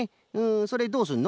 それどうすんの？